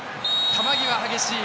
球際、激しい。